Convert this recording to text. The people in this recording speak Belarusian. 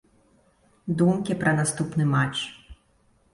Думкі пра наступны матч.